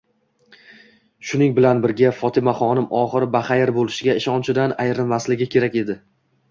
Shuning bilan birga Fotimaxonim oxiri baxayr bo'lishiga ishonchidan ayrilmasligi kerak edi.